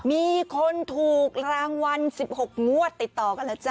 มีคนถูกรางวัล๑๖งวดติดต่อกันแล้วจ้